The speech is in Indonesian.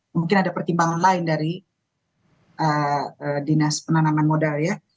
mungkin ada pertimbangan lain dari dinas penanaman modal ya